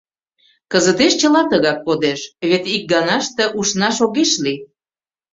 Кызытеш чыла тыгак кодеш, вет икганаште ушнаш огеш лий.